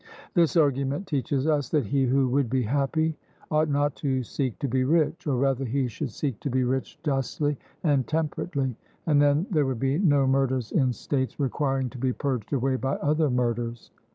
This argument teaches us that he who would be happy ought not to seek to be rich, or rather he should seek to be rich justly and temperately, and then there would be no murders in states requiring to be purged away by other murders.